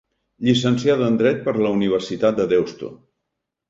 Llicenciada en Dret per la Universitat de Deusto.